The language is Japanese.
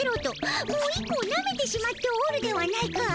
もう１個をなめてしまっておるではないか。